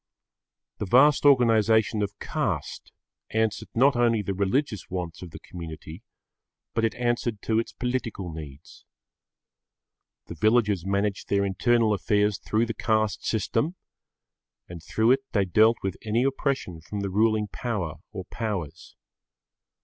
The vast organisation of caste answered not only the religious wants of the community, but it answered to its political needs. The villagers managed their internal affairs through the caste system, and through it they dealt with any oppression from the ruling power or powers.